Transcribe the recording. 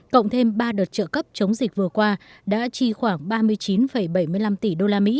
cộng thêm ba đợt trợ cấp chống dịch vừa qua đã chi khoảng ba mươi chín bảy mươi năm tỷ usd